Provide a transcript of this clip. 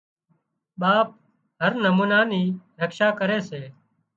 ٻاپ هر نمونا نِي رڪشا ڪري سي